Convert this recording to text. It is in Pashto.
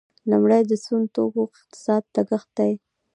لومړی د سون توکو اقتصادي لګښت دی.